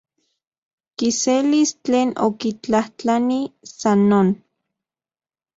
Kiselis tlen okitlajtlani, san non.